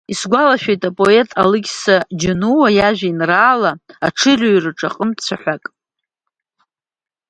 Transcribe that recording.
Исгәалашәеит апоет Алықьса Џьонуа иажәеинраала Аҽырыҩраҿ аҟнытә цәаҳәак…